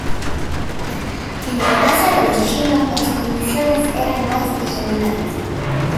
En el caso de los chinos las condiciones eran más irregulares.